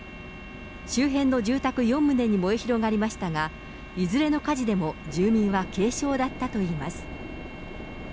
周辺の住宅４棟に燃え広がりましたが、いずれの火事でも住民は軽傷だったといいます。